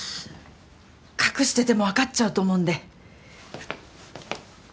隠しててもわかっちゃうと思うんで。